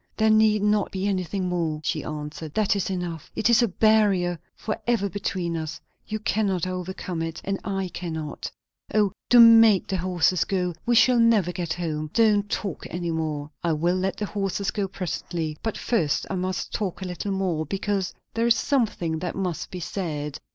"There need not be anything more," she answered. "That is enough. It is a barrier for ever between us; you cannot overcome it and I cannot. O, do make the horses go! we shall never get home! and don't talk any more." "I will let the horses go presently; but first I must talk a little more, because there is something that must be said.